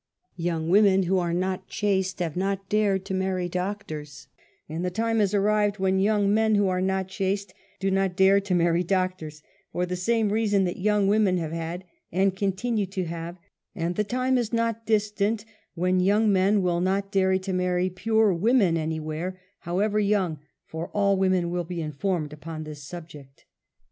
Youno; women who were not chaste have not dared to marry doctors, and the time has arrived when young men who are not chaste do not dare to marry doctors, for the same reasons that young women have had, and continue to have, and the time is not dis tant when young men will not dare to marry pure w^omen anywhere, however young, for women will be informed upon this subject.